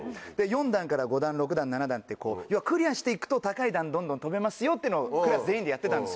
４段から５段６段７段ってクリアしていくと高い段どんどん跳べますよっていうのをクラス全員でやってたんですよ。